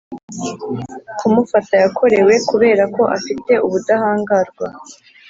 kumufata yakorewe kubera ko afite ubudahangarwa